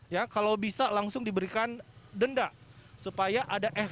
ya kalau bisa langsung diberikan denda